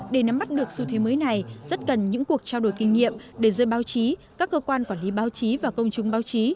để nắm bắt được xu thế mới này rất cần những cuộc trao đổi kinh nghiệm để giới báo chí các cơ quan quản lý báo chí và công chúng báo chí